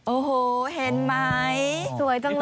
โอ้โหเห็นไหมสวยจังเลย